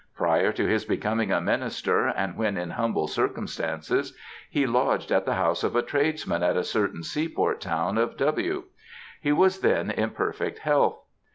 Prior to his becoming a minister and when in humble circumstances, he lodged at the house of a tradesman at a certain sea port town in W s. He was then in perfect health.